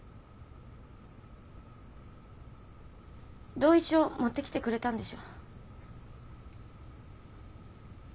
同意書持ってきてくれたんでしょ？